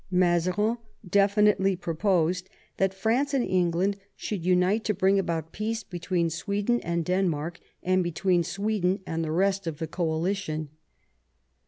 Mazarin definitely proposed that France and England should unite to bring about peace between Sweden and Denmark, and between Sweden and the rest of the coalition.